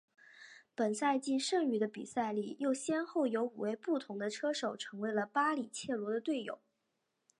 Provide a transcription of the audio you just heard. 本赛季剩余的比赛里又先后有五位不同的车手成为了巴里切罗的队友。